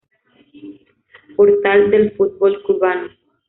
Portal del Fútbol Cubano